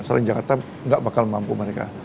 asalin jakarta nggak bakal mampu mereka